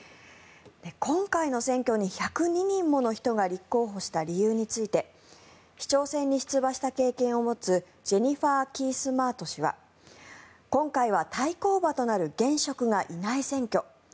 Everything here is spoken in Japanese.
今回の選挙に１０２人もの人が立候補した理由について市長選に出馬した経験を持つジェニファー・キースマート氏は今回は対抗馬となる現職がいない選挙。